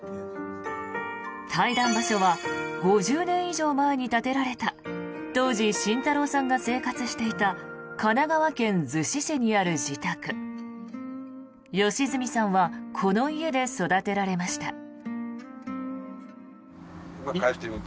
対談場所は５０年以上前に建てられた当時、慎太郎さんが生活していた神奈川県逗子市にある自宅。良純さんはこの家で育てられました。